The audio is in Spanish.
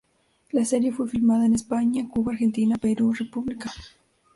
La serie fue filmada en: España, Cuba, Argentina, Perú, Rep.